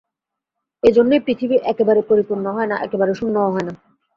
এই জন্যই পৃথিবী একেবারে পরিপূর্ণ হয় না, একেবারে শূন্যও হয় না।